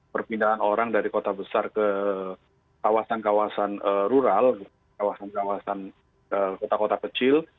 perpindahan orang dari kota besar ke kawasan kawasan rural kawasan kawasan kota kota kecil